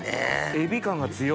エビ感が強い。